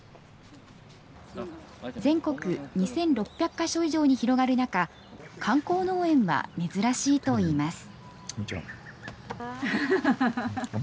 全国２６００か所以上に広がる中、観光農園は珍しいといいます。